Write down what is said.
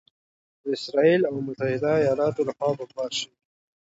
د اسراییل او متحده ایالاتو لخوا بمبار شوي